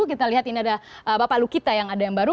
kita lihat ini ada bapak lukita yang ada yang baru